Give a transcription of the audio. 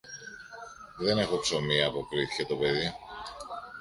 Δεν έχω ψωμί, αποκρίθηκε το παιδί.